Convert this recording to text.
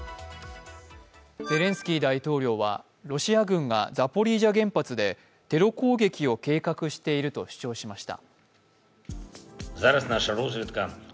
ゼレンスキー大統領は、ロシア軍がザポリージャ原発でテロ攻撃を計画していると主張しました。